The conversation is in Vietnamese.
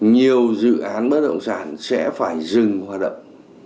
nhiều dự án bất động sản sẽ phải dừng hoạt động